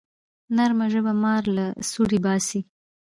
نرمه ژبه مار له سوړي باسي